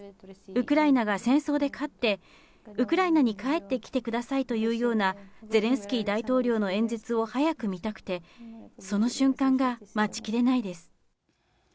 ウクライナが戦争で勝って、ウクライナに帰ってきてくださいというようなゼレンスキー大統領の演説を早く見たくて、その瞬間が待ちきれないです。